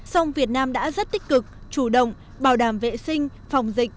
song việt nam đã rất tích cực chủ động bảo đảm vệ sinh phòng dịch